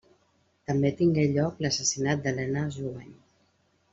També tingué lloc l'assassinat d'Helena Jubany.